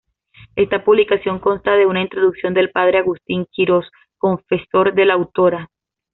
Esta publicación consta de una introducción del padre Agustín Quirós, confesor de la autora.